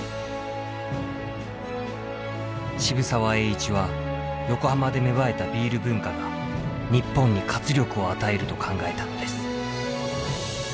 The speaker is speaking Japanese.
渋沢栄一は横浜で芽生えたビール文化が日本に活力を与えると考えたのです。